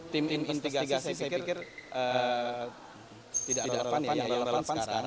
tim investigasi saya pikir tidak relevan yang relevan sekarang